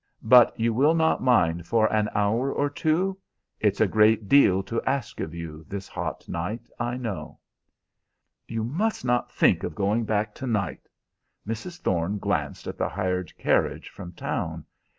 But you will not mind for an hour or two? It's a great deal to ask of you, this hot night, I know." "You must not think of going back to night." Mrs. Thorne glanced at the hired carriage from town.